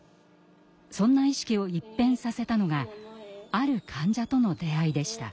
そんな意識を一変させたのがある患者との出会いでした。